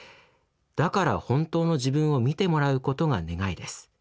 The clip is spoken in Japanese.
だから本当の自分を見てもらうことが願いです。